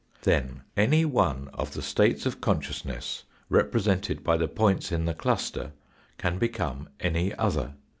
Then any one of the states of consciousness represented by the points in the cluster can become any other.